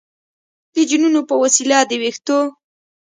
د جینونو په وسیله د ویښتو